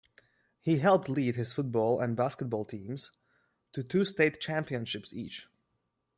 He helped lead his football and basketball teams to two state championships each.